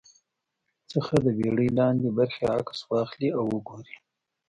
څخه د بېړۍ لاندې برخې عکس واخلي او وګوري